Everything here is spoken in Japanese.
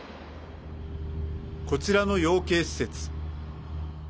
こちらの養鶏施設。